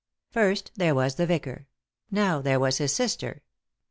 First there was the vicar ; now there was his sister.